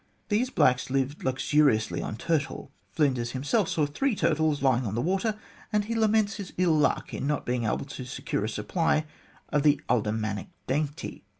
These blacks lived luxuriously on turtle. Flinders himself saw three turtles lying on the water, and he laments his ill luck in not being able to secure a supply of the aldermanic dainty.